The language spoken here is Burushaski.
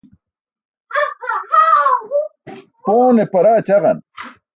Poone paraa ćaġan.